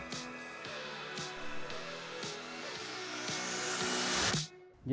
tahun seribu sembilan ratus sembilan puluh tujuh hingga seribu sembilan ratus sembilan puluh satu